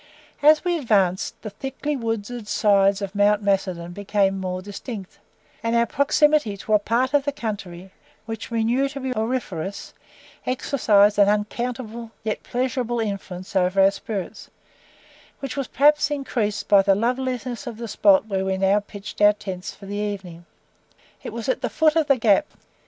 As we advanced, the thickly wooded sides of Mount Macedon became more distinct, and our proximity to a part of the country which we knew to be auriferous, exercised an unaccountable yet pleasureable influence over our spirits, which was perhaps increased by the loveliness of the spot where we now pitched our tents for the evening. It was at the foot of the Gap.